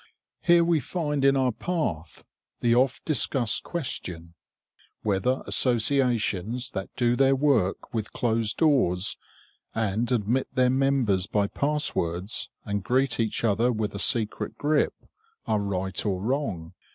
Here we find in our path the oft discussed question, whether associations that do their work with closed doors, and admit their members by pass words, and greet each other with a secret grip, are right or wrong.